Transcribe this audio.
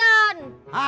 bagi uang jajan